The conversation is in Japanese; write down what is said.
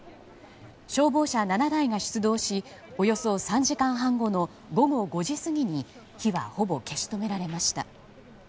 消防車７台が出動しおよそ３時間半後の午後５時過ぎに火は、ほぼ消し止められました。